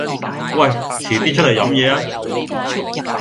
喂，遲啲出嚟飲嘢啊